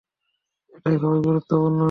এটা খুবই গুরুত্বপূর্ণ!